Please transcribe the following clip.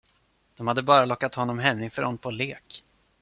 De hade bara lockat honom hemifrån på lek.